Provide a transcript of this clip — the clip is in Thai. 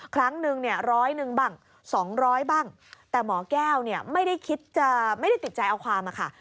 ครั้งนึงเนี่ยร้อยหนึ่งบ้าง๒๐๐บ้างแต่หมอแก้วเนี่ยไม่ได้คิดจะไม่ได้ติดใจเอาความอะค่ะ